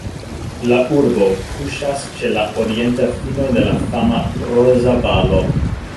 La urbo kuŝas ĉe la orienta fino de la fama Roza Valo.